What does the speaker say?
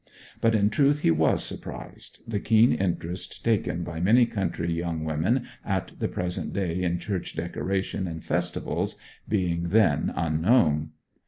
But in truth he was surprised, the keen interest taken by many country young women at the present day in church decoration and festivals being then unknown.